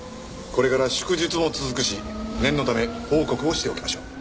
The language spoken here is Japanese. これから祝日も続くし念のため報告をしておきましょう。